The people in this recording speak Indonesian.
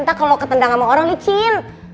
en kalau ketendang sama orang licin